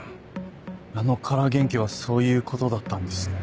あのカラ元気はそういうことだったんですね。